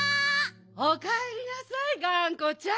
おかえりなさいがんこちゃん。